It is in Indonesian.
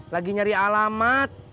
lagi nyari alamat